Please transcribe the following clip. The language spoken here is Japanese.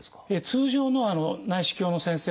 通常の内視鏡の先生はですね